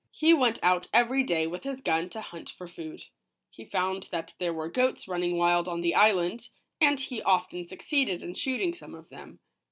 He went out every day with his gun to hunt for food. He found that there were goats running wild on the island, and he often succeeded in shooting some of them.